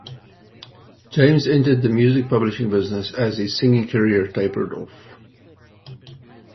James entered the music publishing business as his singing career tapered off.